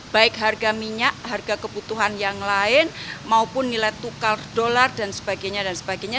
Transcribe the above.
baik harga minyak harga kebutuhan yang lain maupun nilai tukar dolar dan sebagainya dan sebagainya